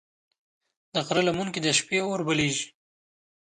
د غره لمن کې د شپې اور بلېږي.